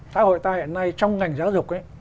xã hội ta hiện nay trong ngành giáo dục ấy